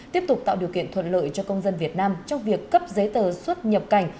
tiếp tục tạo điều kiện thuận lợi cho công dân việt nam trong việc cấp giấy tờ xuất nhập cảnh